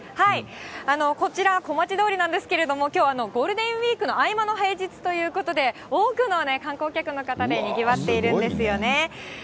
こちら、小町通りなんですけども、きょうはゴールデンウィークの合間の平日ということで、多くの観光客の方でにぎわっているんですよね。